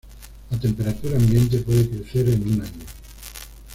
A temperatura ambiente, puede crecer en un año.